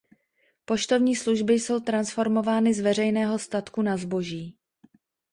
Poštovní služby jsou transformovány z veřejného statku na zboží.